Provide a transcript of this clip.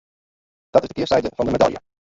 Dat is de kearside fan de medalje.